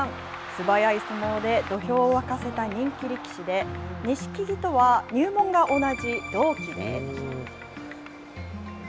素早い相撲で土俵を沸かせた人気力士で、錦木とは入門が同じ、同期です。